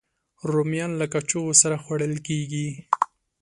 رومیان له کاچوغې سره خوړل کېږي